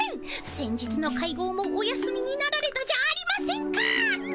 先日の会合もお休みになられたじゃありませんか！